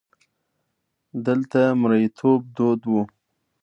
دلته مریتوب دود وو.